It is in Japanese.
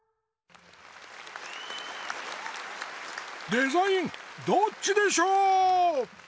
「デザインどっちでショー」！